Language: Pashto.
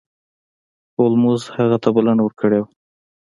هولمز هغه ته بلنه ورکړې وه.